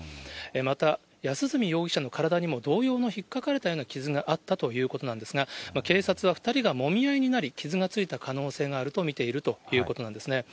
また、安栖容疑者の体にも、同様のひっかかれたような傷があったということなんですが、警察は２人がもみ合いになり、傷がついた可能性があると見ているということなんですね。